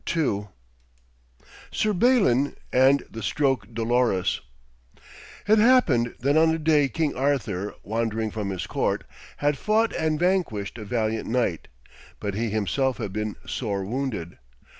II SIR BALIN AND THE STROKE DOLOROUS It happened that on a day King Arthur, wandering from his court, had fought and vanquished a valiant knight, but he himself had been sore wounded.